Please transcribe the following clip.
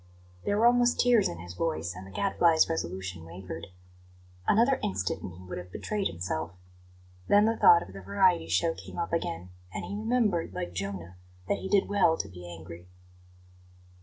There were almost tears in his voice, and the Gadfly's resolution wavered. Another instant and he would have betrayed himself. Then the thought of the variety show came up again, and he remembered, like Jonah, that he did well to be angry.